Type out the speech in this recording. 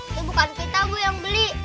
itu bukan kita bu yang beli